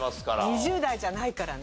２０代じゃないからね。